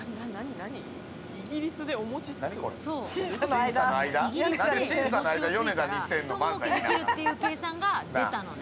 イギリスでお餅をついたらひともうけできるっていう計算が出たのね。